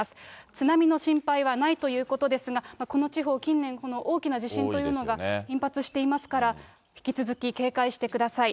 津波の心配はないということですが、この地方、近年大きな地震というのが頻発していますから、引き続き警戒してください。